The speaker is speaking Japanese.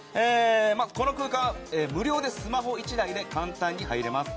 この空間は無料でスマホ１台で簡単に入れます。